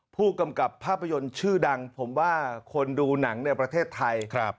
ผู้กำกับภาพยนตร์ชื่อดังผมว่าคนดูหนังในประเทศไทย